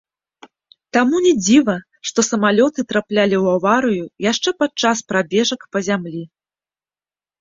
Таму не дзіва, што самалёты траплялі ў аварыю яшчэ падчас прабежак па зямлі.